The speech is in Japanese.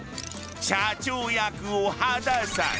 社長役を羽田さん。